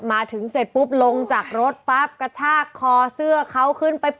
มาถึงเสร็จปุ๊บลงจากรถปั๊บกระชากคอเสื้อเขาขึ้นไป